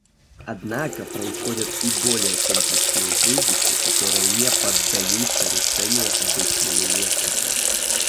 Однако происходят и более комплексные кризисы, которые не поддаются решению обычными методами.